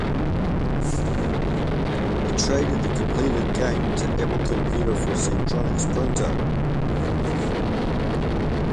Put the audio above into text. He traded the completed game to Apple Computer for a Centronics printer.